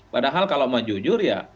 padahal kalau mau jujur ya